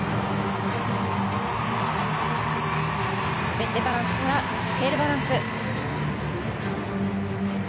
フェッテバランスからスケールバランス。